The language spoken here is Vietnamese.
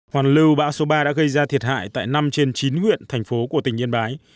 hoàn lưu bão số ba đã gây ra thiệt hại tại năm trên chín huyện thành phố của tỉnh yên bái